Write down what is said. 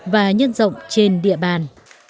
và nhân rộng trên địa bàn